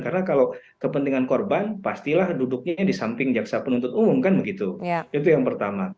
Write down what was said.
karena kalau kepentingan korban pastilah duduknya di samping jaksa penuntut umum kan begitu itu yang pertama